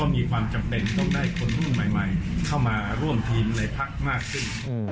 มีความจำเป็นต้องได้คนรุ่นใหม่เข้ามาร่วมทีมในพักมากขึ้น